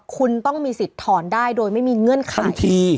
คุณต้องมีสิทธิ์ถอนได้โดยไม่มีเงื่อนไข